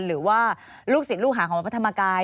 หรือว่าลูกศิษย์ลูกหาของวัดพระธรรมกาย